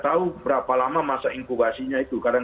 ada orang sudah muat untuk melanggan turuk interring